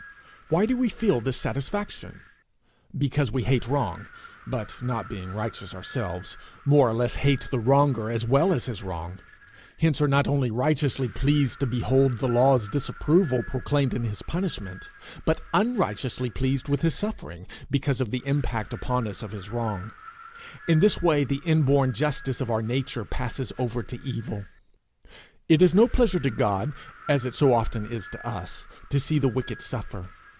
Why do we feel this satisfaction? Because we hate wrong, but, not being righteous ourselves, more or less hate the wronger as well as his wrong, hence are not only righteously pleased to behold the law's disapproval proclaimed in his punishment, but unrighteously pleased with his suffering, because of the impact upon us of his wrong. In this way the inborn justice of our nature passes over to evil. It is no pleasure to God, as it so often is to us, to see the wicked suffer.